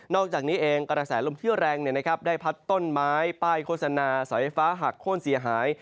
อกจากนี้เองกระแสลมที่แรงได้พัดต้นไม้ป้ายโฆษณาสายไฟฟ้าหักโค้นเสียหาย